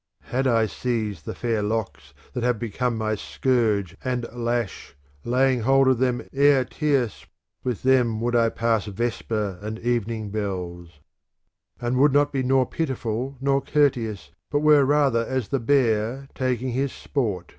VI Had I seized the fair locks that have become my scourge and lash, laying hold of them e'er tierce with them would I pass vesper and evening bells : And would be nor pitiful nor courteous, but were rather as the bear taking his sport.